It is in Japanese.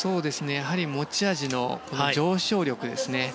持ち味の上昇力ですね。